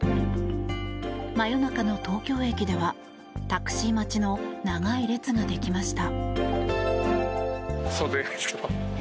真夜中の東京駅ではタクシー待ちの長い列ができました。